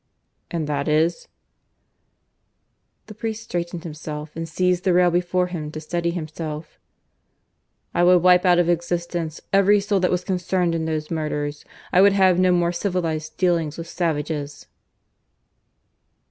"And that is " The priest straightened himself, and seized the rail before him to steady himself. "I would wipe out of existence every soul that was concerned in those murders. I would have no more civilized dealings with savages."